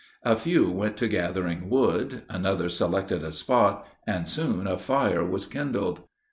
A few went to gathering wood; another selected a spot, and soon a fire was kindled.